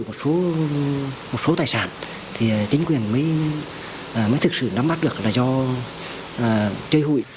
rồi một số tài sản thì chính quyền mới thực sự nắm bắt được là do chơi hụi